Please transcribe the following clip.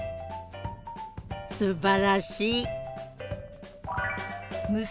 すばらしい！